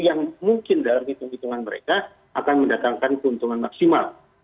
yang mungkin dalam hitung hitungan mereka akan mendatangkan keuntungan maksimal